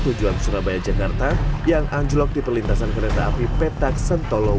tujuan surabaya jakarta yang anjlok di perlintasan kereta api petak sentolo